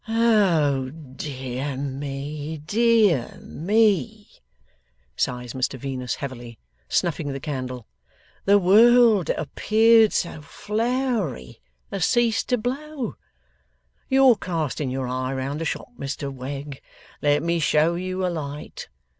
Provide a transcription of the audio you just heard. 'Oh dear me, dear me!' sighs Mr Venus, heavily, snuffing the candle, 'the world that appeared so flowery has ceased to blow! You're casting your eye round the shop, Mr Wegg. Let me show you a light.